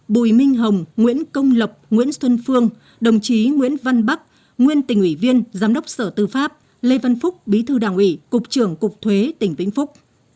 bùi minh hồng nguyễn công lập nguyễn xuân phương đồng chí nguyễn văn bắc nguyên tỉnh ủy viên giám đốc sở tư pháp lê văn phúc bí thư đảng ủy cục trưởng cục thuế tỉnh vĩnh phúc